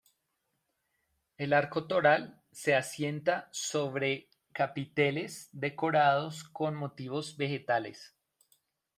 El arco toral se asienta sobre capiteles decorados con motivos vegetales.